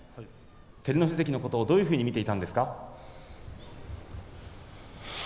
照ノ富士関のことをどういうふうに見ていたんですか。